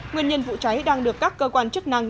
nguyên nhân vụ cháy đang được các cơ quan chức năng